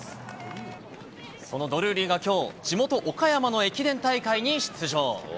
そのドルーリーがきょう、地元、岡山の駅伝大会に出場。